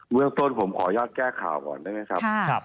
เรื่องต้นผมขออนุญาตแก้ข่าวก่อนนะครับ